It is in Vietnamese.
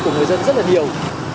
của người dân rất là nhiều